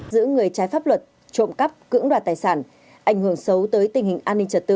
giữ người trái pháp luật trộm cắp cưỡng đoạt tài sản ảnh hưởng xấu tới tình hình an ninh trật tự